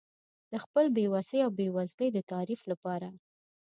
د خپل بې وسۍ او بېوزلۍ د تعریف لپاره.